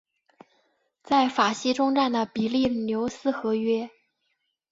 在法西终战的比利牛斯和约。